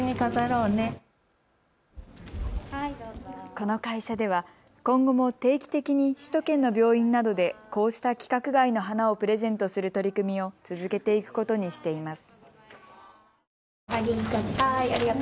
この会社では今後も定期的に首都圏の病院などで、こうした規格外の花をプレゼントする取り組みを続けていくことにしています。